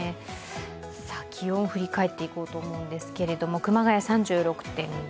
気温を振り返っていこうと思うんですけれども、熊谷３６．５度。